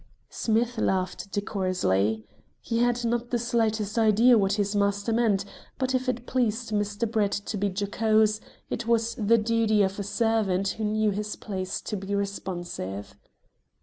Smith laughed decorously. He had not the slightest idea what his master meant, but if it pleased Mr. Brett to be jocose, it was the duty of a servant who knew his place to be responsive.